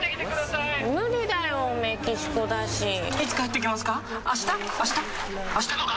いつ帰ってきますか？